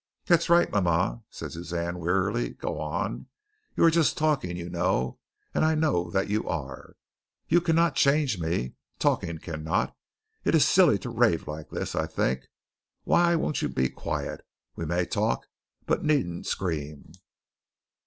"That's right, mama," said Suzanne, wearily. "Go on. You are just talking, you know, and I know that you are. You cannot change me. Talking cannot. It is silly to rave like this, I think. Why won't you be quiet? We may talk, but needn't scream."